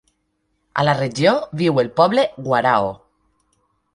A la regió viu el poble "warao".